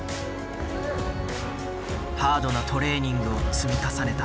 ハードなトレーニングを積み重ねた。